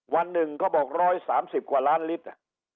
วันหนึ่งเขาบอก๑๓๐กว่าล้านลิตร